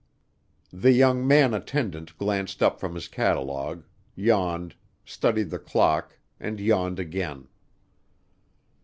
The young man attendant glanced up from his catalogue, yawned, studied the clock, and yawned again.